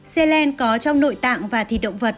xe len có trong nội tạng và thịt động vật hải sản